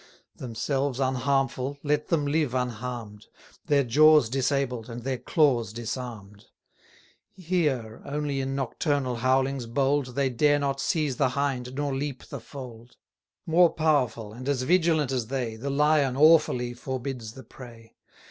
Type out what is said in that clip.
Themselves unharmful, let them live unharm'd; Their jaws disabled, and their claws disarm'd: 300 Here, only in nocturnal howlings bold, They dare not seize the hind, nor leap the fold. More powerful, and as vigilant as they, The Lion awfully forbids the prey.